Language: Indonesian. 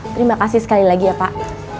terima kasih sekali lagi ya pak